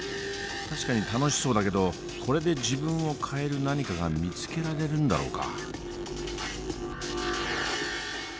確かに楽しそうだけどこれで自分を変える何かが見つけられるんだろうか？